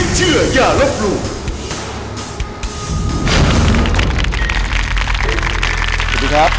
สวัสดีครับ